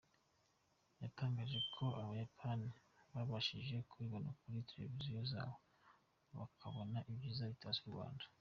Yatangaje ko Abayapani babashije kubibona kuri televiziyo zabo, bakabona ibyiza bitatse u Rwanda.